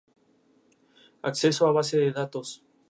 Acceso a base de datos.